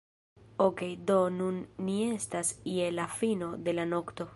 Okej do nun ni estas je la fino de la nokto